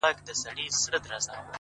زما د یار او د غزل مزاج کښې فرق نشته دے